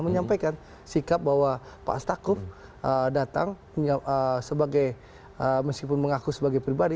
menyampaikan sikap bahwa pak stakuf datang sebagai meskipun mengaku sebagai pribadi